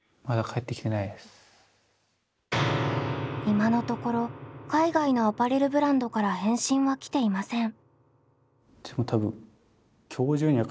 今のところ海外のアパレルブランドから返信は来ていません。